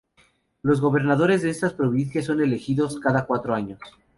Los gobernadores de estas provincias son elegidos cada cuatro años.